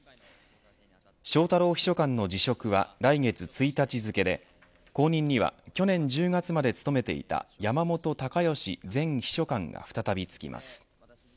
翔太郎秘書官の辞職は来月１日付で後任には去年１０月まで勤めていた山本高義前秘書官が再びつきます。